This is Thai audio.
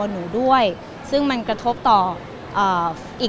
เหมือนแบบอันนี้